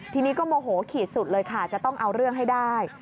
ทีนี้ก็โมโหขีดสุดเลยค่ะจะต้องเอาเรื่องให้ได้